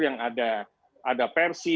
yang ada ada persi